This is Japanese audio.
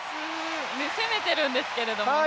攻めているんですけれどもね。